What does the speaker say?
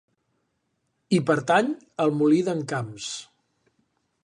Hi pertany el Molí d'en Camps.